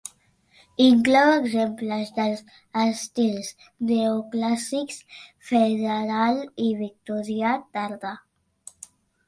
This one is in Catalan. Inclou exemples dels estils Neoclàssic, Federal i Victorià tardà.